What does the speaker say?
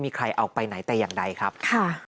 มีใครเอาไปไหนแต่อย่างใดครับค่ะ